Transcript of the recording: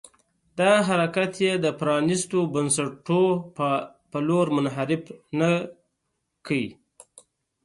دا حرکت یې د پرانيستو بنسټونو په لور منحرف نه کړ.